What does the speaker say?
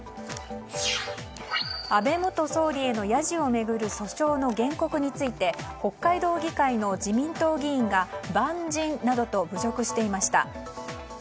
安倍元総理へのやじを巡る訴訟の原告について北海道議会の自民党議員が蛮人などと侮辱していました。